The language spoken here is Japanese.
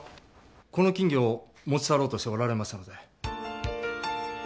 この金魚を持ち去ろうとしておられましたので。